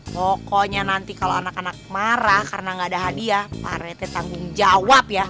pokoknya nanti kalau anak anak marah karena gak ada hadiah paretnya tanggung jawab ya